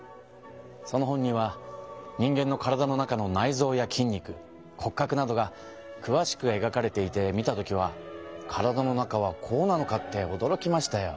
その本には人間の体の中の内臓や筋肉骨格などがくわしくえがかれていて見た時は体の中はこうなのかっておどろきましたよ。